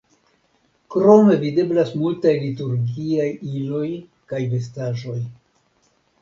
Krome videblas multaj liturgiaj iloj kaj vestaĵoj.